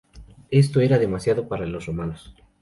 Esto era demasiado para los romanos.